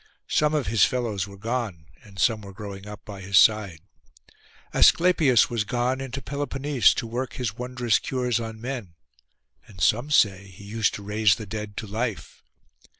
Some of his fellows were gone, and some were growing up by his side. Asclepius was gone into Peloponnese to work his wondrous cures on men; and some say he used to raise the dead to life.